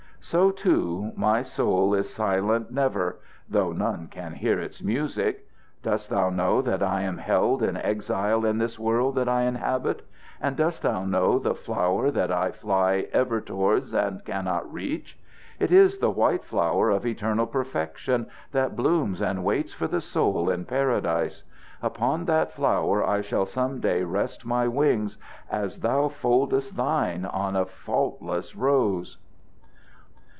So, too, my soul is silent never, though none can hear its music. Dost thou know that I am held in exile in this world that I inhabit? And dost thou know the flower that I fly ever towards and cannot reach? It is the white flower of eternal perfection that blooms and waits for the soul in Paradise. Upon that flower I shall some day rest my wings as thou foldest thine on a faultless rose."